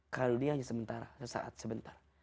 kalau dia hanya sementara